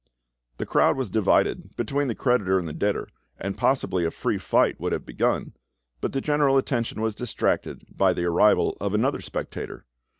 The crowd was divided between the creditor and debtor, and possibly a free fight would have begun, but the general attention was distracted by the arrival of another spectator.